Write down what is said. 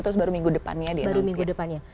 terus baru minggu depannya dia nampak ya